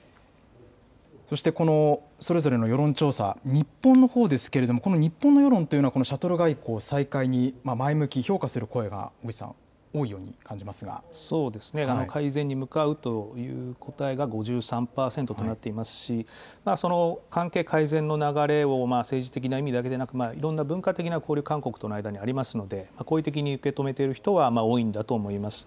そしてこのそれぞれの世論調査、日本のほうですけれども、この日本の世論というのは、シャトル外交再開に前向き、評価する声が小口さん、改善に向かうという答えが５３％となっていますし、関係改善の流れを政治的な意味だけではなく、いろんな文化的な交流、韓国との間にありますので、好意的に受け止めている人は多いんだと思います。